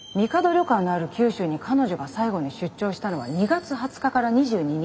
旅館のある九州に彼女が最後に出張したのは２月２０日から２２日。